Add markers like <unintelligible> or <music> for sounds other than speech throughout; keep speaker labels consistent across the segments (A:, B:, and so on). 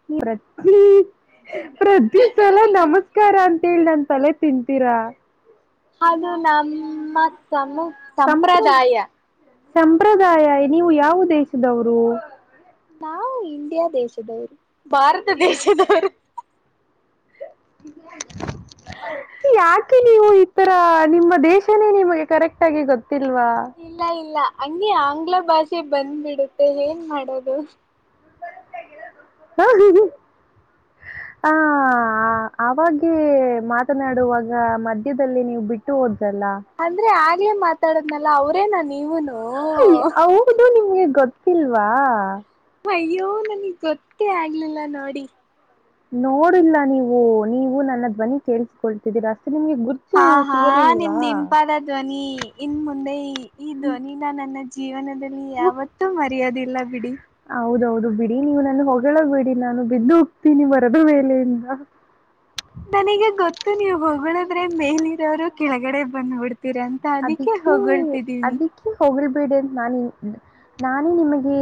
A: <unintelligible> ಪ್ರತಿ ಸಲ ನಮಸ್ಕಾರ ಅಂತೇಳಿ ನನ್ ತಲೆ ತಿಂತೀರಾ.
B: ಅದು ನಮ್ಮ ಸಮ
A: ಸಂಪ್ರದಾಯ <unintelligible> ಸಂಪ್ರದಾಯ ನೀವು ಯಾವ ದೇಶದವರು.
B: ನಾವು ಇಂಡಿಯಾ ದೇಶದವ್ರು.
A: ಭಾರತ ದೇಶ <unintelligible> ಯಾಕೆ ನೀವು ಈತರ ನಿಮ್ಮ ದೇಶನೇ ನಿಮಗೆ ಕರೆಕ್ಟ್ ಆಗಿ ಗೊತ್ತಿಲ್ವಾ.
B: ಇಲ್ಲ ಇಲ್ಲ ಹಂಗೆ ಆಂಗ್ಲ ಭಾಷೆ ಬಂದ್ಬಿಡುತ್ತೆ ಏನ್ ಮಾಡೋದು.
A: ಹಾ ಹ ಹ.
B: <inaudible>
A: ಹ ಅವಾಗ ಮಾತನಾಡುವಾಗ ಮಧ್ಯದಲ್ಲಿ ನೀವು ಬಿಟ್ಟು ಹೋದ್ದಲ್ಲ.
B: ಅಂದ್ರೆ ಆಗ್ಲೇ ಮಾತಾಡದ್ನಲ್ಲ ಅವ್ರೇನ ನೀವುನು. <unintelligible>
A: ಇಲ್ವಾ.
B: ಅಯ್ಯೋ ನನ್ಗ್ ಗೊತ್ತೇ ಆಗ್ಲಿಲ್ಲ ನೋಡಿ.
A: ನೋಡಿಲ್ಲ ನೀವು ನೀವು ನನ್ನ ಧ್ವನಿ ಕೇಳಿಸಿಕೊಳ್ತಿದ್ದೀರ ಅಷ್ಟೆ ನಿಮ್ಗೆ <unintelligible>
B: ಹಾ ಹಾ
A: ಸಿಗಲಿಲ್ವಾ
B: ನಿಮ್ದ್ ಹಿಂಪಾದ <unintelligible> ಧ್ವನಿ ಇನ್ ಮುಂದೆ ಈ ಧ್ವನಿನ ನನ್ನ ಜೀವನದಲ್ ಲಿ ಯಾವತ್ತೂ ಮರ್ಯಾದೆ ಇಲ್ಲ ಬಿಡಿ.
A: ಹೌದೌದು ಬಿಡಿ ನೀವು ನನ್ ಹೊಗಳಗ್ಬೇಡಿ ನಾನು ಬಿದ್ದು ಹೋಗ್ತೀನಿ ಮರದ ಮೇಲೆಯಿಂದ.
B: ನನಗೆ ಗೊತ್ತು ನೀವು ಹೋಗುಳಿದ್ರೆ ಮೇಲಿ ಇರೋರು ಕೆಳಗಡೆ ಬಂದ್ಬಿಡ್ತೀರ ತ ಅದಿಕ್ಕೆ ಹೋಗುಳ್ತಿದಿನಿ.
A: ತು ಹೋಗಳ್ಬೇಡಿ <unintelligible> ನಾನೇ ನಿಮಗೆ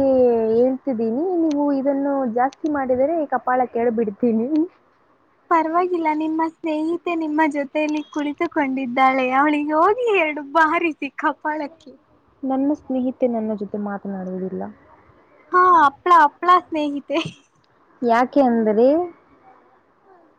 A: ಹೇಳ್ತಿದ್ದೀನಿ ನೀವು ಇದನ್ನು ಜಾಸ್ತಿ ಮಾಡಿದರೆ ಕಪಾಳ ಕೆಳ <unintelligible> <unintelligible>
B: ಪರವಾಗಿಲ್ಲ ನಿಮ್ಮ ಸ್ನೇಹಿತೆ ನಿಮ್ಮ ಜೊತೆಯಲ್ಲಿ ಕುಳಿತುಕೊಂಡಿದ್ದಾಳೆ <unintelligible> ಹೋಗ್ಲಿ ಎರಡು ಬಾರಿಸಿ ಕಪಾಳಕ್ಕೆ.
A: ನನ್ನ ಸ್ನೇಹಿತೆ ನನ್ನ ಜೊತೆ ಮಾತನಾಡುವುದಿಲ್ಲ.
B: ಹಾ ಹಪ್ಲ ಹಪ್ಲ ಸ್ನೇಹಿತೆ.
A: ಯಾಕೆ ಅಂದ್ರೆ.
B: ಹ್ಮ್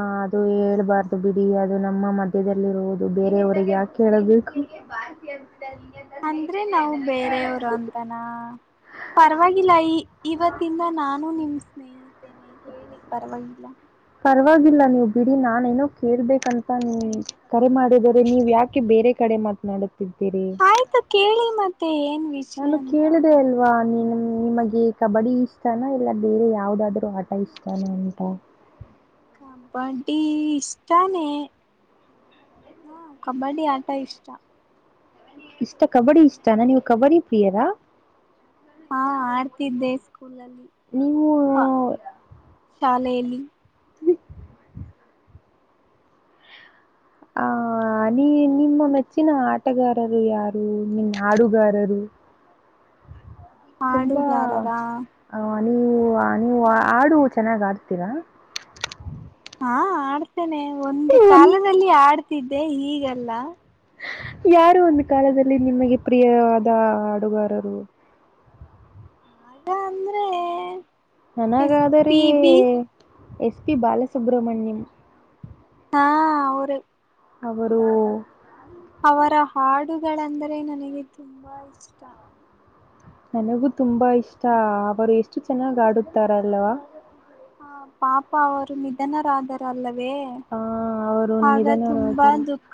A: ಹಾ ಅದು ಹೇಳ್ಬಾರ್ದು ಬಿಡಿ ಅದು ನಮ್ಮ ಮಧ್ಯದಲ್ಲಿರುವುದು ಬೇರೆಯವ್ರಿಗೆ ಯಾಕೆ ಹೇಳಬೇಕು ಬಾಾಸಿ ಅಂತ ಎಂತ
B: ಅಂದ್ರೆ ನಾವು
A: ಸಿಗೇನೆ
B: ಬೇರೆಯವರು <inaudible> ಪರವಾಗಿಲ್ಲ ಈ ಇವತ್ತಿಂದ ನಾನು ನಿಮ್ ಸ್ನೇಹಿತೇನೆ ಹೇಳಿ ಪರವಾಗಿಲ್ಲ
A: ಪರವಾಗಿಲ್ಲ ನೀವು ಬಿಡಿ ನಾನ ಏನೋ ಕೇರ್ಬೇಕಂತ ನೀ ಕರೆ ಮಾಡಿದರೆ ನೀವ್ ಯಾಕೆ ಬೇರೆ ಕಡೆ ಮಾತನಾಡುತ್ತಿದ್ದೀರಿ
B: ಆಯ್ತಾ ಕೇಳಿ ಮತ್ತೆ ಏನ್ ವಿಷ
A: ನಾನು ಕೇಳಿದೆ ಅಲ್ಲ ವಾ ನಿಮಗೆ ಕಬಡ್ಡಿ ಇಷ್ಟತಾನ ಇಲ್ಲ ಬೇರೆ ಯಾವ್ದಾದ್ರು ಆಟ ಇಷ್ಟತಾನ ಅಂತ
B: ಕಪಟಿ ಇಷ್ಟಾನೆ ಹಾ ಕಬಡ್ಡಿ ಆಟ ಇಷ್ಟ
A: ಇಷ್ಟ ಕಬಡ್ಡಿ ಇಷ್ಟ ಅನಾ ನೀವು ಕಬಡ್ಡಿ ಪ್ರಿಯರಾ
B: ಹಾ ಆಡ್ತಿದ್ದೆ ಸ್ಕೂಲ್ ಅಲ್ಲಿ
A: ನೀವು
B: ಹಾ ಶಾಲೆಯಲ್ಲಿ
A: ಆ ನೀ ನಿಮ್ಮ ಮೆಚ್ಚಿನ ಆಟಗಾರರು ಯಾರು ನಿನ್ ಹಾಡುಗಾರರು
B: ಹಾಡುಗಾರರಾ
A: ಹ ನೀವು ನೀವು ಹಾಡು ಚೆನ್ನಾಗ್ ಆಡ್ತೀರಾ
B: ಹಾ ಆಡ್ತೇನೆ ಒಂದು ಕಾಲದಲ್ಲಿ ಆಡ್ತಿದ್ದೆ ಹೀಗೆಲ್ಲ
A: ಯಾರು ಒಂದು ಕಾಲದಲ್ಲಿ ನಿಮಗೆ ಪ್ರಿಯವಾದ ಹಾಡುಗಾರರು
B: ಅಂದ್ರೆ ಎಸ್
A: ನನಗಾದರೆ
B: P B
A: S P Balasubrahmanyam
B: ಹಾ ಅರೇ
A: ಅವರು
B: ಅವರ ಹಾಡುಗಳೆಂದರೆ ನನಗೆ ತುಂಬಾ ಇಷ್ಟ
A: ನನಗೂ ತುಂಬಾ ಇಷ್ಟ ಅವರು ಎಷ್ಟು ಚೆನ್ನಾಗ್ ಆಡುತ್ತಾರಲ್ವಾ
B: ಹಾ ಪಾಪ ಅವರು ನಿಧನರಾದರಲ್ಲವೇ
A: ಆ ಅವರು
B: ಆಗ ತುಂಬಾ
A: ನಿಧನರಾದರು
B: ದುಃಖ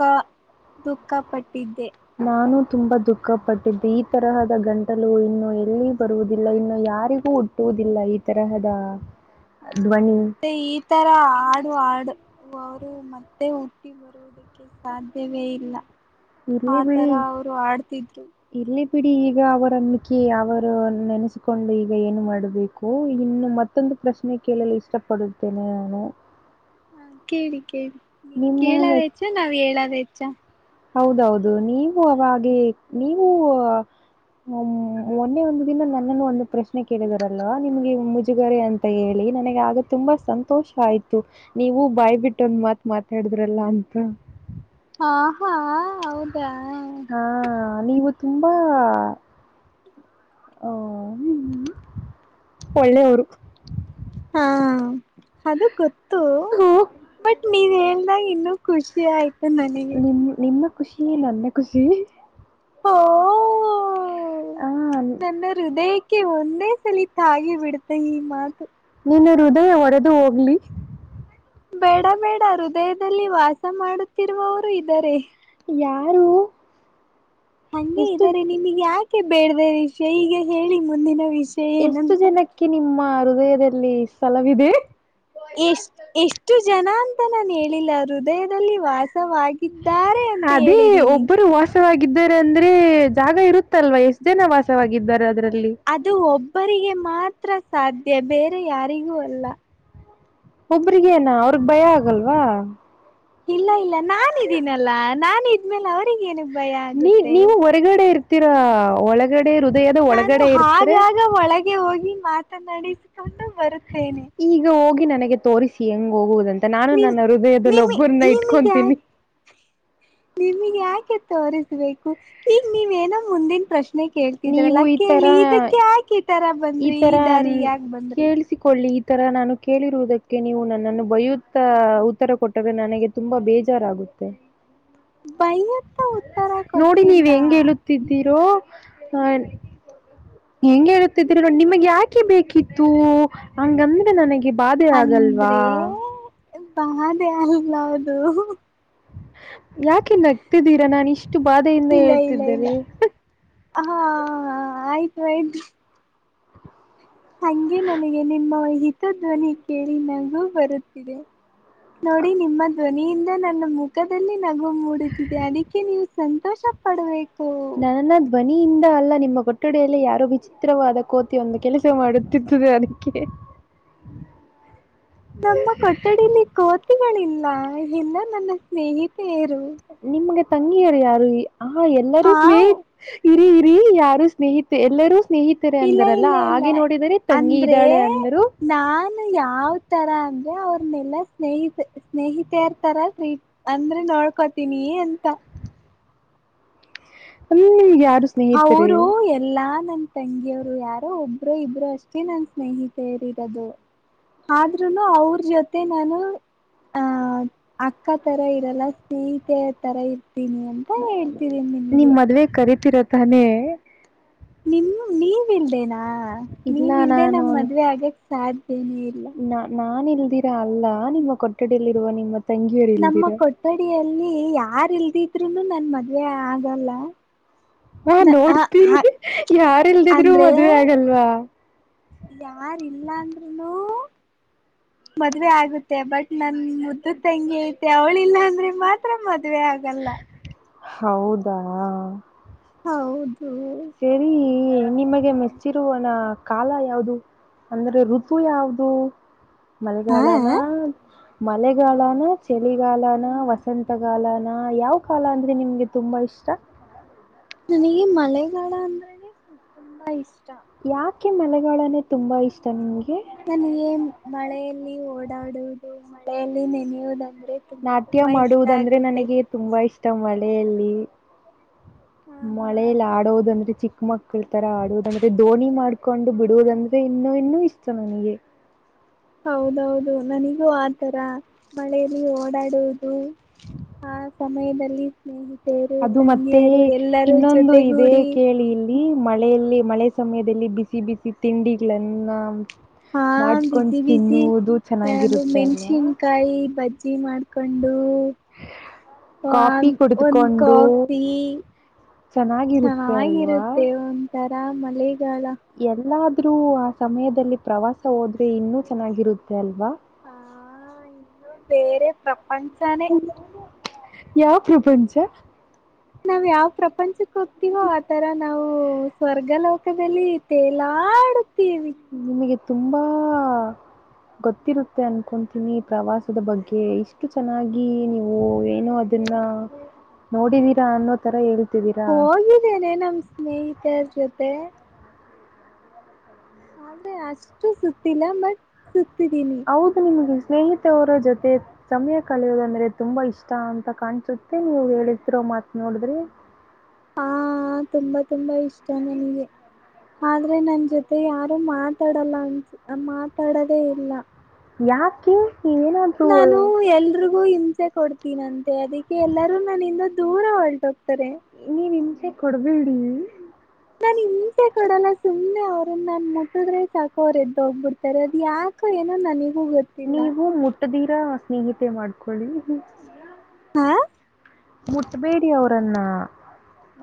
B: ದುಃಖ ಪಟ್ಟಿದ್ದೆ
A: ನಾನು ತುಂಬಾ ದುಃಖ ಪಟ್ಟಿದ್ದೆ ಈ ತರಹದ ಗಂಟಲು ಇನ್ನು ಎಲ್ಲಿ ಬರುವುದಿಲ್ಲ ಇನ್ನು ಯಾರಿಗೂ ಕಟ್ಟುವುದಿಲ್ಲ ಈ ತರಹದ
B: ಹಾ
A: ಧ್ವನಿ
B: ಮತ್ತೆ ಈ ತರ ಆಾಡು ಆಡು ರು ಮತ್ತೆ ಹುಟ್ಟಿ ಬರುವುದಕ್ಕೆ ಸಾಧ್ಯವೇ ಇಲ್ಲ ಆ
A: ಇಲ್ಲಿ ಬಿಳಿ
B: ತರ ಅವರು ಆಡ್ತಿದ್ರು
A: ಇಲ್ಲಿ ಬಿಡಿ ಈಗ ಅವರಖಿ ಅವರು ನೆನೆಸಿಕೊಂಡು ಈಗ ಏನು ಮಾಡಬೇಕು ಇನ್ನು ಮತ್ತೆ ಮತ್ತೊಂದು ಪ್ರಶ್ನೆ ಕೇಳಲು ಇಷ್ಟಪಡುತ್ತೇನೆ ನಾನು
B: ಹಾ ಕೇಳಿ ಕೇಳಿ ನೀವ್ ಕೇಳದ
A: ನಿಮ್ಮ
B: ಹೆಚ್ಚ ನಾವ್ ಹೇಳದ ಹೆಚ್ಚ
A: ಹೌದೌದು ನೀವು ಅವಾಗೆ ನೀವು ಹ ಮೊನ್ನೆ ಒಂದು ದಿನ ನನ್ನನ್ನು ಒಂದು ಪ್ರಶ್ನೆ ಕೇಳಿದಾರಲ್ಲವಾ ನಿಮ್ಗೆ ಮುಜುಗರೆ ಅಂತ ಅಂತ ಹೇಳಿ ನನಗೆ ಆಗ ತುಂಬಾ ಸಂತೋಷ ಆಯ್ತು ನೀವು ಬಾಯ್ ಬಿಟ್ಟೊಂದ್ ಮಾತ್ ಮಾತಾಡಿದ್ರಲ್ಲ ಅಂತ
B: ಹಾ ಹಾ ಹೌದಾ
A: ಹ ನೀವು ತುಂಬಾ ಹ ಒೊಳ್ಳೆಯವರು
B: ಹಾ ಅದು ಗೊತ್ತು
A: ಹ್ಮ್.
B: ಬಟ್ ನೀವ್ ಹೇಳ್ದಾಗ ಇನ್ನು ಖುಷಿ ಆಯ್ತು ನನಗೆ
A: ನಿಮ ನಿಮ್ಮ ಖುಷಿ ನನ್ನ ಖುಷಿ
B: ಓ ಓ ಹ
A: ಆ
B: ನನ್ನ ಹೃದಯಕ್ಕೆ ಒಂದೇ ಸಲ ತಾಗಿ ಬಿಡ್ತೆ ಈ ಮಾತು
A: ನೀನ್ನ ಹೃದಯ ಹೊಡೆದು ಹೋಗ್ಲಿ
B: ಬೇಡ ಬೇಡ ಹೃದಯದಲ್ಲಿ ವಾಸ ಮಾಡುತ್ತಿರುವವರು ಇದ್ದಾರೆ
A: ಯಾರು
B: ಹಂಗೆ
A: ಎಷ್ಟು
B: ಇದ್ದಾರೆ ನಿಮಗೆ ಯಾಕೆ ಬೇಡ್ದ ವಿಷಯ ಈಗ ಹೇಳಿ ಮುಂದಿನ ವಿಷಯ ಏನಂತ
A: ಅಕಿ ನಿಮ್ಮ ಹೃದಯದಲ್ಲಿ ಸ್ಥಳವಿದೆ
B: ಎಷ್ಟ ಎಷ್ಟು ಜನ ಅಂತ ನಾನು ಹೇಳಿಲ್ಲ ಹೃದಯದಲ್ಲಿ ವಾಸವಾಗಿ ಇದ್ದಾರೆ ಅಂತ
A: ಅದೇ
B: ಹೇಳಿದೀನಿ
A: ಒಬ್ಬರು ವಾಸವಾಗಿದ್ದಾರೆ ಅಂದ್ರೆ ಜಾಗ ಇರುತ್ತಲ್ವಾ ಎಷ್ಟು ಜನ ವಾಸವಾಗಿದ್ದಾರೆ ಅದರಲ್ಲಿ
B: ಅದು ಒಬ್ಬರಿಗೆ ಮಾತ್ರ ಸಾಧ್ಯ ಬೇರೆ ಯಾರಿಗೂ ಅಲ್ಲ
A: ಒಬ್ರಗೇನ ಅವ್ರಗ್ ಭಯ ಆಗಲ್ವಾ
B: ಇಲ್ಲ ಇಲ್ಲ ನಾನಿದ್ದೀನಲ್ಲಾ ನಾ ಇದ್ಮೇಲೆ ಅವರಿಗ ಏನಕ್ ಭಯ
A: ನೀ
B: ಆಗುತ್ತೆ
A: ನೀವು ಹೊರಗಡೆ ಇರ್ತೀರಾ ಒಳಗ ಹೃದಯದ
B: ನಾನು
A: ಒಳಗಡೆ ಇರ್ತೀರ
B: ಆಗಾಗ ಒಳಗೆ ಹೋಗಿ ಮಾತನಾಡಿಸಿಕೊಂಡು ಬರುತ್ತೇನೆ
A: ಈಗ ಹೋಗಿ ನನಗೆ ತೋರಿಸಿ ಹೆಂಗ್ ಹೋಗುವುದಂತ ನಾನು
B: ನಿಮ್
A: ನನ್ನ ಹೃದಯದಲ್ಲಿ
B: ನಿಮಿ
A: ಒಬ್ಬರನ್ನ ಇಟ್ಕೊತೀನಿ
B: ನಿಮಗೆ ಯಾಕೆ ತೋರಿಸಬೇಕು ಈಗ ನೀವ ಏನೋ ಮುಂದಿನ ಪ್ರಶ್ನೆ ಕೇಳ್ತಿದ್ರಲ್ಲ
A: ನೀವು ಈ
B: ಕೇಳಿ
A: ತರ
B: ಇದಕ್ ಯಾಕೆ ಈ ತರ ಬಂದ್ರಿ ಈ ದಾರಿ ಯಾಕ ಬಂದ್ರಿ.
A: ಳ್ಳಿ ಈ ತರ ನಾನು ಕೇಳಿರುವುದಕ್ಕೆ ನೀವು ನನ್ನನ್ನು ಬೈಯುತ್ತ ಉತ್ತರ ಕೊಟ್ಟ ದು ನನಗೆ ತುಂಬಾ ಬೇಜಾರಾಗುತ್ತೆ
B: ಬೈಯಕ್
A: ನೋಡಿ ನೀವು ಹೆಂಗೆ ಹೇಳುತ್ತಿದ್ದೀರೋ ಹೆಂಗೆ ಹೇಳುತ್ತಿದ್ರೆ ನ ನಿಮಗೆ ಯಾಕೆ ಬೇಕಿತ್ತು ಹಂಗಂದ್ರೆ ನನಗೆ ಬಾದೆ ಆಗಲ್ವಾ
B: ಅಂದ್ರೆ ಬಾಧೆ ಆಗಲ್ಲ ಅದು
A: ಯಾಕೆ ನಗ್ತಿದ್ದೀರಾ ನಾನ್ ಇಷ್ಟ
B: ಇಲ್ಲ ಇಲ್ಲ ಇಲ್ಲ ಹಾ ಆಯ್ತು ಆಯ್ತು ಹಂಗೆ ನನಗೆ ನಿಮ್ಮ ಹಿತಧ್ವನಿ ಕೇಳಿ ನಗೂ ಬರುತ್ತಿದೆ ನೋಡಿ ನಿಮ್ಮ ಧ್ವನಿಯಿಂದ ನನ್ನ ಮುಖದಲ್ಲಿ ನಗು ಮೂಡುತ್ತಿದೆ ಅದಕ್ಕೆ ನೀವು ಸಂತೋಷ ಪಡ್ಬೇಕು
A: ನನ್ನ ಧ್ವನಿಯಿಂದ ಅಲ್ಲ ನಿಮ್ಮ ಕೋಟ್ಟಡೆಯಲ್ಲ ಯಾರು ವಿಚಿತ್ರವಾದ ಕೋತಿ ಒಂದು ಕೆಲಸ ಮಾಡುತ್ತಿದ್ದದೆ ಅದಕ್ಕೆ
B: <inaudible> ನಮ್ಮ ಕೊಠಡಿಲಿ ಕೋತಿಗಳಿಲ್ಲ ಇಲ್ಲ ನನ್ನ ಸ್ನೇಹಿತೆಯರು
A: ನಿಮ್ಗೆ ತಂಗಿಯರು ಯಾರು ಆ ಎಲ್ಲರೂ
B: ಹಾ
A: ಸ್ನೇಹಿತ ಇರಿ ಇರಿ ಯಾರು ಸ್ನೇಹಿತ ಎಲ್ಲರೂ ಸ್ನೇಹಿತರೆ
B: ಇಲ್ಲ
A: ಅಂದರಲ್ಲ
B: ಇಲ್ಲ ಇಲ್ಲ
A: ಆಗೆ ನೋಡಿದರೆ ತಂಗಿ ಇದ್ದಾಳೆ ಅಂದರು
B: ಯಾವ್ ತರ ಅಂದ್ರೆ ಅವ್ರನ್ನೆಲ್ಲಾ ಸ್ನೇಹಿತ ಸ್ನೇಹಿತೆಯರ್ ತರಾ ಟ್ರೀಟ್ ಅಂದ್ರೆ ನೋಡ್ಕೋತೀನಿ ಅಂತ
A: ಹ್ಮಗೆ ಯಾರು ಸ್ನೇಹಿತರೆ
B: ಅವರು ಎಲ್ಲಾ ನನ್ ತಂಗಿಯವರು ಯಾರೋ ಒಬ್ಬರು ಇಬ್ರು ಅಷ್ಟೇ ನನ್ ಸ್ನೇಹಿತರಿರೋದು ಆದ್ರೂನು ಅವ್ರ ಜೊತೆ ನಾನು ಆ ಅಕ್ಕ ತರ ಇರಲ್ಲ ಸೀತೆ ತರ ಇರ್ತೀನಿ ಅಪ್ಪ ಹೇಳ್ತರೀಿ
A: ನಿಮ್
B: ನಿಿನಗೆ
A: ಮದ್ವೆ ಕರಿತಿರ ತಾನೇ
B: ನಿಮ್ಮ ನೀವಲ್ದೇನಾ
A: ಇಲ್ಲ
B: ನೀವಲ್ದೆೇ
A: ನಾನು
B: ನಮ್ ಮದ್ವೆ ಆಗಕ್ ಸಾಧ್ಯನೇ ಇಲ್ಲ
A: ನಾ ನಾನನ್ ಇಲ್ದಿರಾ ಅಲ್ಲ ನಿಮ್ಮ ಕೊಠಡಿಯಲ್ಲಿರುವ ನಿಮ್ಮ ತಂಗಿಯರು
B: ನಮ್ಮ
A: ಇಲ್ದಿರ
B: ಕೊಠಡಿಯಲ್ಲಿ ಯಾರ್ ಇಲ್ದಿದ್ರುನು ನನ್ ಮದ್ವೆ ಆಗಲ್ಲ
A: ಹಾ
B: ಹ
A: ನೋಡ್ತೀನಿ ಯಾರಿಲ್ದಿದ್ರು
B: ಅಂದ್ರೆ
A: ಮದ್ವೆ ಆಗಲ್ವಾ
B: ಯಾರಿಲ್ಲ ಅಂದ್ರ್ ಮದ್ವೆ ಆಗುತ್ತೆ ಬಟ್ ನನ್ ತಂಗಿ ಐತೆ ಅವಳ ಇಿಲ್ಲ ಅಂದ್ರೆ ಮಾತ್ರ ಮದ್ವೆ ಆಗಲ್ಲ
A: ಹೌದಾ
B: ಹೌದು
A: ಸರಿ ನಿಮಗೆ ಮೆಚ್ಚಿರುವನ ಕಾಲ ಯಾವದು ಅಂದ್ರೆ ಋತು ಯಾವದು ಮಳೆಗಾಲನ
B: ಹಾ
A: ಮಳೆಗಾಲನ ಚಳಿಗಾಲನ ವಸಂತಗಾಲನ ಯಾವ ಕಾಲ ಅಂದರೆ ನಿಮಗೆ ತುಂಬ ಇಷ್ಟ
B: ನನಗೆ ಮಳೆಗಾಲ ಅಂದ್ರೇನೆ ತುಂಬಾ ಇಷ್ಟ
A: ಯಾಕೆ ಮಳೆಗಾಲನೆ ತುಂಬಾ ಇಷ್ಟ ನಿಮ್ಗೆ
B: ನನಗೆ ಮಳೆಯಲ್ಲಿ ಓಡಾಡುವುದು ಮಳೆಯಲ್ಲಿ ನೆನೆಯುವುದಂದ್ರೆ ತುಂಬಾ
A: ನಾಟ್ಯ
B: ತುಂಬಾ ಇಷ್ಟ
A: ಮಾಡುವುದಂದ್ರೆ
B: ಆಗುತ್ತೆ
A: ನನಗೆ ತುಂಬಾ ಇಷ್ಟ ಮಳೆಯಲ್ಲಿ
B: ಹಾ ಹಾ
A: ಮಳೇಲಿ ಆಡೋದಂದ್ರೆ ಚಿಕ್ಕ ಚಿಕ್ಕ ಮಕ್ಕಳ ತರ ಆಡುವುದಂದ್ರೆ ದೋಣಿ ಮಾಡ್ಕೊಂಡು
B: ಹಾ
A: ಬಿಡುವುದಂದ್ರೆ ಇನ್ನೂ ಇನ್ನೂ ಇಷ್ಟ ನನಗೆ
B: ಹೌದೌದು ನನಿಗೂ ಆತರ ಮಳೆಯಲ್ಲಿ ಓಡಾಡುವುದು ಹ ಸಮಯದಲ್ಲಿ ಸ್ನೇಹಿ
A: ಅದು ಮತ್ತೆ ಇನ್ನೊಂದು ಇದೆ
B: ಜೊತೆಗೂಡಿ
A: ಕೇಳಿಲ್ ಮಳೆಯಲ್ಲಿ ಮಳೆ ಸಮಯದಲ್ಲಿ ಬಿಸಿ ಬಿಸಿ ತಿಂಡಿಗಳನ್ನ
B: ಹಾ
A: ಮಾಡ್ಕೊಂಡು
B: ಬಿಸಿ
A: ತಿನ್ನುವುದು ಚೆನ್ನಾಗಿರುತ್ತೆ ಅಲವ
B: ಕಾಯಿ ಬಜ್ಜಿ ಮಾಡ್ಕೊಂಡು
A: ಕಾಫಿ
B: ಒಂದ
A: ಕುಡಿದುಕೊಂಡು
B: ಕಾಫಿ
A: ಚೆನ್ನಾಗಿರುತ್ತೆ ಅಲ್ವಾ
B: ಚೆನ್ನಾಗಿರುತ್ತೆ ಒಂಥರ ಮಳೆಗಾಲ
A: ಎಲ್ಲಾದ್ರೂ ಆ ಸಮಯದಲ್ಲಿ ಪ್ರವಾಸ ಹೋದ್ರೆ ಇನ್ನೂ ಚೆನ್ನಾಗಿರುತ್ತೆ ಅಲ್ವಾ
B: ಹಾ ಇನ್ನೂ ಬೇರೆ ಪ್ರಪಂಚಾನೇ
A: ಯಾವ ಪ್ರಪಂಚ
B: ನಾವ್ ಯಾವ ಪ್ರಪಂಚಕ್ಕೆ ಹೋಗ್ತಿವೋ ಆತರ ನಾವು ಸ್ವರ್ಗ ಲೋಕದಲ್ಲಿ ತೇಲಾಡ ಟಿ ವಿ
A: ನಿಮಗೆ ತುಂಬಾ ಗೊತ್ತಿರುತ್ತೆ ಅನ್ಕೊತೀನಿ ಪ್ರವಾಸದ ಬಗ್ಗೆ ಇಷ್ಟು ಚೆನ್ನಾಗಿ ನೀವು ಏನೋ ನ್ನ ನೋಡಿದೀರಾ ಅನ್ನೋ ತರ ಹೇಳ್ತಿದೀರಾ
B: ಇದೇನೆ ನಮ್ಮ್ ಸ್ನೇಹಿತರ ಜೊತೆ ಆದ್ರೆ ಅಷ್ಟು ಸುತ್ತಿಲ್ಲ ಬಟ್ ಸುತ್ತಿದೀನಿ
A: ಹೌದು ನಿಮ್ಗೆ ಸ್ನೇಹಿತವರ ಜೊತೆ ಸಮಯ ಕಳೆಯೋದಂದ್ರೆ ತುಂಬಾ ಇಷ್ಟ ಅಂತ ಕಾಣಸುತ್ತೆ ನೀವು ಹೇಳತಿರೋ ಮಾತ್ ನೋಡಿದ್ರೆ
B: ಹ ತುಂಬಾ ತುಂಬಾ ಇಷ್ಟ ನನಗೆ ಆದ್ರೆ ನನ್ ಜೊತೆ ಯಾರು ಮಾತಾಡಲ್ಲ ಅನ್ ಮಾತಾಡದೇ ಇಲ್ಲ
A: ಯಾಕೆ ನೀವೇನ
B: ನಾನು ಎಲ್ರು ಗು ಹಿಂಸೆ ಕೊಡ್ತೀನಂತೆ ಅದಕ್ಕೆ ಎಲ್ಲರೂ ನನಿಂದ ದೂರ ಹೊರಟು ಹೋಗ್ತಾರೆ
A: ನೀನ್ ಹಿಂಸೆ ಕೊಡ್ಬೇಡಿ
B: ನ ನಿಂಮ್ ಕಿಸೆ ಕಡೆಲ್ಲ ಸುಮ್ಮನೆ ಅವ್ರನ್ನ ನಾನ ಮುಟ್ಟಿದ್ರೆ ಸಾಕು ಅವರು ಎದ್ದೋಗ್ಬಿಡ್ತಾರೆ ಅದು ಯಾಕೋ ಏನೋ ನನಿಗೂ ಗೊತ್ತ
A: ನೀವು ಮುಟ್ಟದಿರ ಸ್ನೇಹಿತೆ ಮಾಡ್ಕೊಳ್ಳಿ
B: ಹಾ
A: ಮುಟ್ಬೇಡಿ ಅವ್ರನ್ನ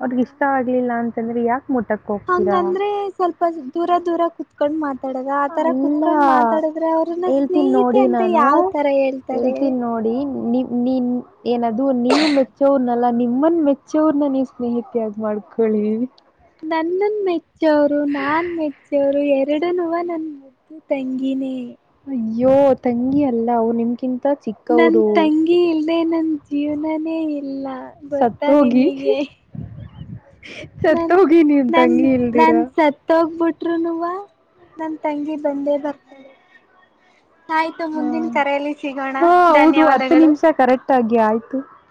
A: ಅವ್ರಗ ಇಷ್ಟ ಆಗ್ಲಿಲ್ಲ ಅಂತಂದ್ರೆ ಯಾಕೆ ಮುಟಕ್
B: ಹಂಗಂದ್ರೆ ಸ್ವಲ್ಪ ದೂರ ದೂರ ಕುೂತ್ ಕುೂತ್ಕೊಂಡ್ ಮಾತಾಡದ ಆತರ
A: ಅಲ್ಲ
B: ಕುೂತ್ಕೊಂಡ್ ಮಾತಾಡಿದ್ರೆ ಅವ್ರನ್ನ ಸ್ನೇಹಿತೆ ಅಂತ ಯಾವ ತರ ಹೇಳ
A: ಹೇಳ್ತೀಿ ನೋಡಿ ನೀವ ನೀನ್ ಏನದು ನೀವು ಮೆಚ್ಚೋರ್ನಲ್ಲ ನಿಮ್ಮನ್ ಮೆಚ್ಚೋರ್ನ್ನ ನೀ್ ಸ್ನೇಹಿತಿಯಾಗಿ ಮಾಡ್ ಕಳ
B: ನನ್ನನ್ ಮೆಚ್ಚೋರು ನಾನ್ ಮೆಚ್ಚ ಚವರು ಎರಡುನವ ನನ್ ಮದ್ದು ತಂಗಿನೇ
A: ಅಯ್ಯೋ ತಂಗಿ ಅಲ್ಲ ಅವು ನಿಮಕಿಂತ
B: ನನ್ ತಂಗಿ ಇಲ್ದೆ ನನ್ ಜೀವನನೇ ಇಲ್ಲ ಗೊತ್ತಾ
A: ಸತ್ತೋಗಿ
B: ನಿಮಗೆ ನ
A: ಸತ್ತೋಗಿ ನೀನ್
B: ನನ್
A: ತಂಗಿ
B: ನನ್
A: ಇಲ್ದಿರಾ
B: ಸ ತೋಗ್ಬಿಟ್ರು ನ್ ನನ್ ತಂಗಿ ಬಂದೇ ಬರ್ತಾಳೆ ಆಯ್ತು ಮುಂದಿನ ಕರೆಯಲ್ಲಿ ಸಿಗೋಣ ಧನ್ಯವಾದಗಳು
A: ಒಟ್ಟಾಗಿ ಆಯ್ತು